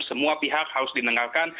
semua pihak harus didengarkan